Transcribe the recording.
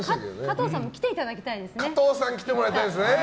加藤さんにも来ていただきたいですね。